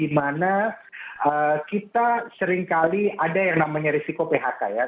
di mana kita sering kali ada yang namanya risiko phk ya